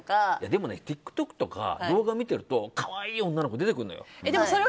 でも、ＴｉｋＴｏｋとか動画を見てると可愛い女の子出てくるのよ。